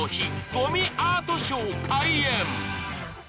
ごみアートショー開演。